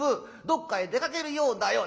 どっかへ出かけるようだよ」。